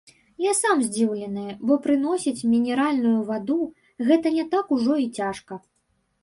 Я сам здзіўлены, бо прыносіць мінеральную ваду гэта не так ужо і цяжка.